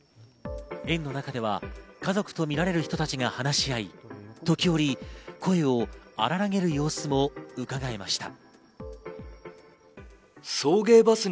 園の中では家族とみられる人たちが話し合い、時折声を荒らげる様子もうかがえました。